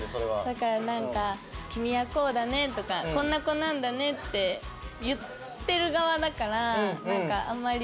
だからなんか「君はこうだね」とか「こんな子なんだね」って言ってる側だからなんかあんまり。